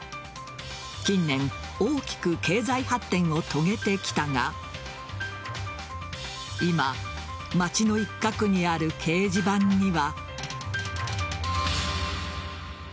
近年、大きく経済発展を遂げてきたが今、街の一角にある掲示板には。